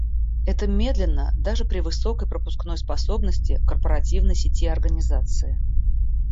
Это медленно даже при высокой пропускной способности корпоративной сети организации